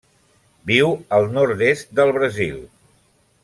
Viu al nord-est del Brasil.